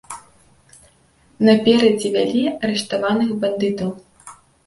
Наперадзе вялі арыштаваных бандытаў.